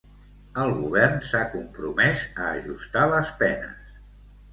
El govern s'ha compromès a ajustar les penes.